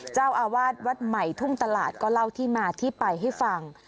เจ้าอาวาสวัดใหม่ทุ่งตลาดก็เล่าที่มาที่ไปให้ฟัง